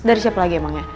dari siapa lagi emang ya